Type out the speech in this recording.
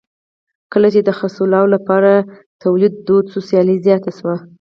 کله چې د خرڅلاو لپاره تولید دود شو سیالي زیاته شوه.